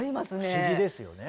不思議ですよね。